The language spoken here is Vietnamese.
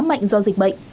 khá mạnh do dịch bệnh